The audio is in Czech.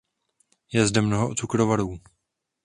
Je zde mnoho cukrovarů.